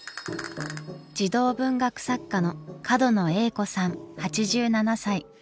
児童文学作家の角野栄子さん８７歳。